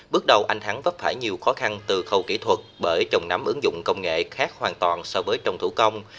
bước đầu anh thắng vấp phải nhiều khó khăn từ khâu kỹ thuật bởi trồng nấm ứng dụng công nghệ khác hoàn toàn so với trồng thủ công